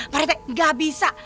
pak rete enggak bisa